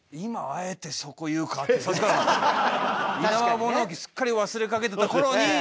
イナバ物置すっかり忘れかけた頃に。